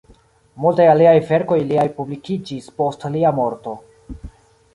Multaj aliaj verkoj liaj publikiĝis post lia morto.